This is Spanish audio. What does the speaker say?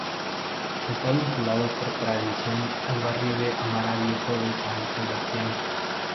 Está vinculado por tradición al barrio de Amara Viejo de San Sebastián.